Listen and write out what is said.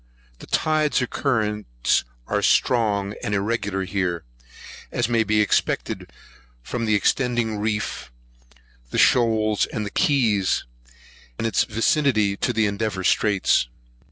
The tides or currents are strong and irregular here, as may be expected, from the extending reefs, shoals, and keys, and its vicinity to Endeavour Straits.